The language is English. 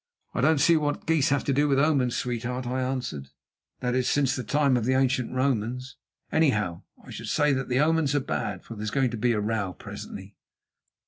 "I don't see what geese have to do with omens, sweetheart," I answered—"that is, since the time of the ancient Romans. Anyhow, I should say that the omens are bad, for there is going to be a row presently."